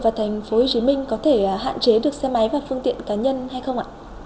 và thành phố hồ chí minh có thể hạn chế được xe máy và phương tiện cá nhân hay không ạ